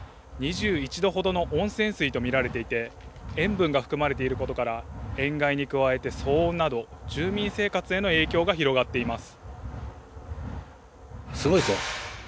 ２１度ほどの温泉水と見られていて、塩分が含まれていることから、塩害に加えて騒音など、住民生活への影響が広がっています。